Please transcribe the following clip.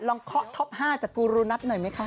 เคาะท็อป๕จากกูรูนัทหน่อยไหมคะ